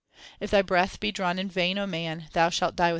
If thy breath be drawn in vain, O man, thou shalt die without God.